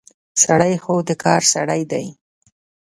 سړی خو د کار سړی دی.